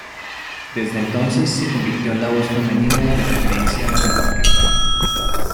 Desde entonces se convirtió en la voz femenina de referencia junto al cantante.